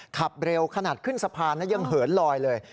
ขับเร็วขนาดขึ้นสะพานยังเหินลอยเลย